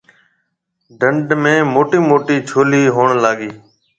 ڊنڍ ۾ موٽيَ موٽَي ڇولَي ھوئڻ لاگَي۔